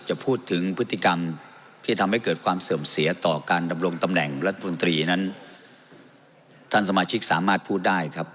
จะพูดถึงพฤติกรรมที่ทำให้เกิดความเสื่อมเสียต่อการดำรงตำแหน่งรัฐมนตรีนั้นท่านสมาชิกสามารถพูดได้ครับ